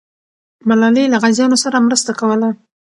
ملالۍ له غازیانو سره مرسته کوله.